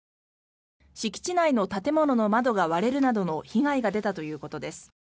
敷地内の建物の窓が割れるなどの被害が出たということです。